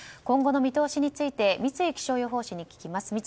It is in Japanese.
今後の見通しについて三井気象予報士に聞きます。